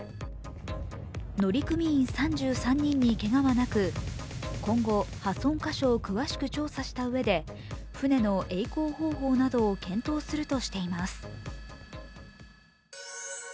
乗組員３３人にけがはなく今後、破損箇所を詳しく調査したうえで、船のえい航方法などを検討するとしています。